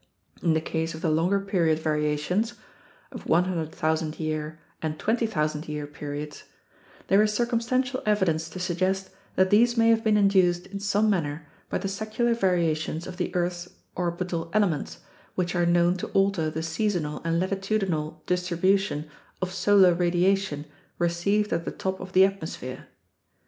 In the case of the longer period variations (of 100,000 year and 20,000 year periods), there is circumstantial evi dence to suggest that these may have been induced in some manner by the secular variations of the earth's orbital elements, which are known to alter the seasonal and latitudinal distribution of solar radiation re ceived at the top of the atmosphere.